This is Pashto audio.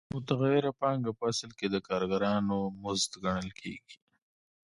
متغیره پانګه په اصل کې د کارګرانو مزد ګڼل کېږي